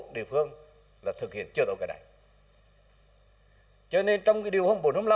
breeb burk họ chính trật nhà đầu tư hièn republiula